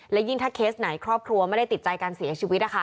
และยิ่งถ้าเคสไหนครอบครัวไม่ได้ติดใจการเสียชีวิต